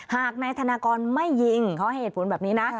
หากนายธนากรไม่ยิงเขาให้เหตุผลแบบนี้นะ